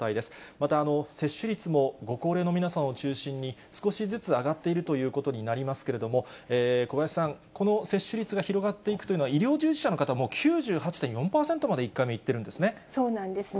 また接種率も、ご高齢の皆さんを中心に、少しずつ上がっているということになりますけれども、小林さん、この接種率が広がっているということは、医療従事者の方、もう９４．８％まで１回目、いってるんですね。